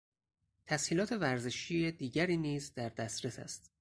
تسهیلات ورزشی دیگری نیز در دسترس است.